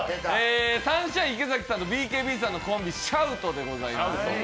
サンシャイン池崎さんとＢＫＢさんのコンビ、シャウトでございます。